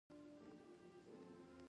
ایا زه باید هلته اوسم؟